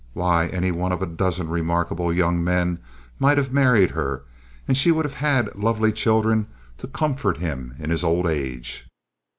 Why, any one of a dozen remarkable young men might have married her, and she would have had lovely children to comfort him in his old age.